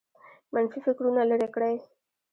منفي فکرونه لرې کړئ